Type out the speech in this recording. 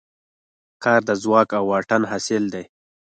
کار د ځواک او واټن حاصل دی.